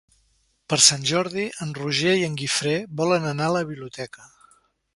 Per Sant Jordi en Roger i en Guifré volen anar a la biblioteca.